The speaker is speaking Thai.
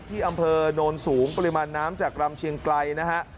ที่อำเภอโนนสูงปริมาณน้ำจากรำเชียงไกลนะฮะ